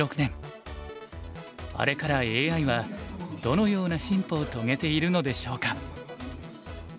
あれからＡＩはどのような進歩を遂げているのでしょうか？